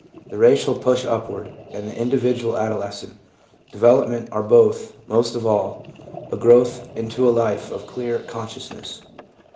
The racial push upward, and the individual adolescent development are both, most of all, a growth into a life of clear conscious ness.